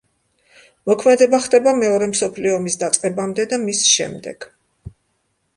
მოქმედება ხდება მეორე მსოფლიო ომის დაწყებამდე და მის შემდეგ.